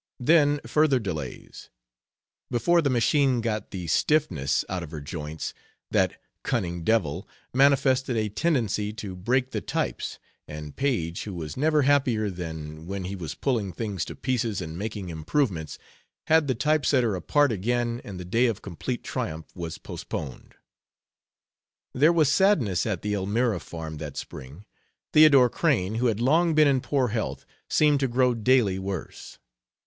Then further delays. Before the machine got "the stiffness out of her joints" that "cunning devil" manifested a tendency to break the types, and Paige, who was never happier than when he was pulling things to pieces and making improvements, had the type setter apart again and the day of complete triumph was postponed. There was sadness at the Elmira farm that spring. Theodore Crane, who had long been in poor health, seemed to grow daily worse.